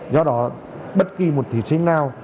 do đó bất kỳ một thí sinh nào